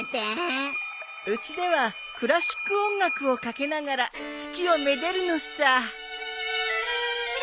うちではクラシック音楽をかけながら月をめでるのさ。